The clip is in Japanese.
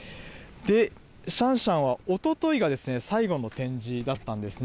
シャンシャンは、おとといが最後の展示だったんですね。